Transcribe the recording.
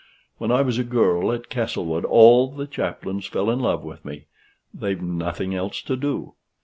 When I was a girl at Castlewood, all the chaplains fell in love with me they've nothing else to do."